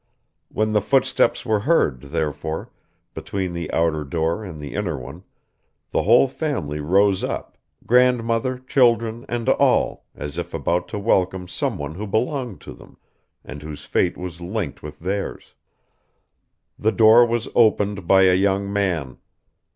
When the footsteps were heard, therefore, between the outer door and the inner one, the whole family rose up, grandmother, children, and all, as if about to welcome some one who belonged to them, and whose fate was linked with theirs. The door was opened by a young man.